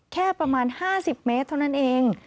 แค่ประมาณ๕๐เมตรเท่านั้นเอง